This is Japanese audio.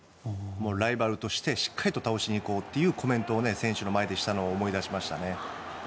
ライバルとしてしっかりと倒しに行こうというコメントを選手の前でしたのを思い出しましたね。